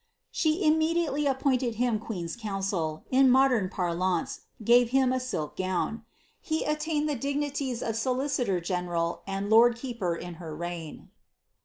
She immediately appointed him queen's counsel — in modern parlance, give him a silk gown ; he attained the dignities of solicitor general and lord keeper in her reign.'